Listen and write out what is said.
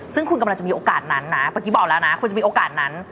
ซึ่งคุณกำลังจะมีโอกาสนั้นนะเมื่อกี้บอกแล้วนะคุณจะมีโอกาสนั้น